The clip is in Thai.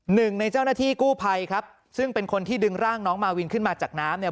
หนึ่งในเจ้าหน้าที่กู้ภัยครับซึ่งเป็นคนที่ดึงร่างน้องมาวินขึ้นมาจากน้ำเนี่ย